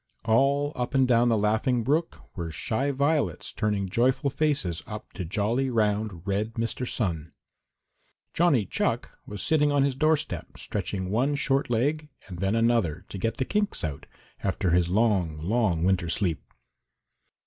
All up and down the Laughing Brook were shy violets turning joyful faces up to jolly, round, red Mr. Sun. Johnny Chuck was sitting on his doorstep, stretching one short leg and then another, to get the kinks out, after his long, long winter sleep.